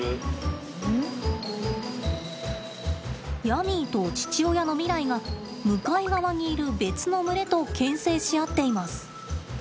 ヤミーと父親のミライが向かい側にいる別の群れとけん制し合っています。